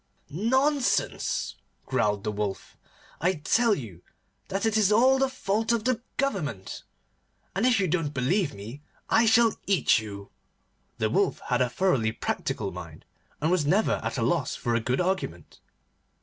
'Nonsense!' growled the Wolf. 'I tell you that it is all the fault of the Government, and if you don't believe me I shall eat you.' The Wolf had a thoroughly practical mind, and was never at a loss for a good argument.